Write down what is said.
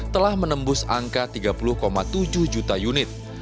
telah menembus angka tiga puluh tujuh juta unit